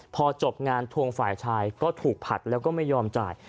พอจบงานทวงฝ่ายชายก็ถูกผลัดแล้วก็ไม่ยอมจ่าย